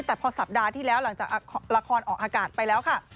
แต่พอสัปดาห์ที่แล้วหลังจากละครออกอากาศไปแล้วค่ะ